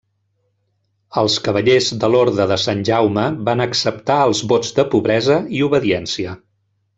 Els cavallers de l'orde de Sant Jaume van acceptar els vots de pobresa i obediència.